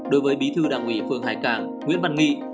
đối với bí thư đảng ủy phường hải càng nguyễn văn nghị